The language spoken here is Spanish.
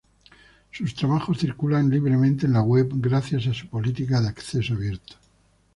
Sus trabajos circulan libremente en la web gracias a su política de acceso abierto.